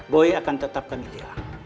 boy akan tetapkan itu